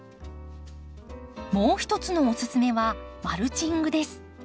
もう一つのおすすめはマルチングです。